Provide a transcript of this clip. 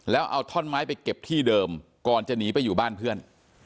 แล้วเอาท่อนไม้ไปเก็บที่เดิมก่อนจะหนีไปอยู่บ้านเพื่อน